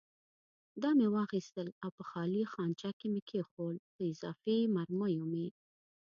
دا مې واخیستل او په خالي خانچه کې مې کېښوول، په اضافي مرمیو مې.